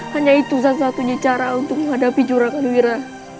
hanya itu satu satunya cara untuk menghadapi curagan wira